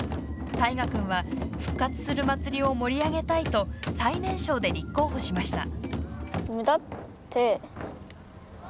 虎君は、復活する祭りを盛り上げたいと最年少で立候補しました。